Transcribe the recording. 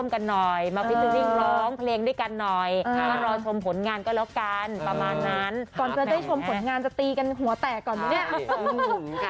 ก่อนจะได้ชมผลงานจะตีกันหัวแตกก่อนไหมเนี่ย